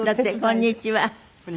こんにちは。